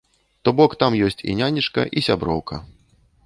То бок, там ёсць і нянечка, і сяброўка.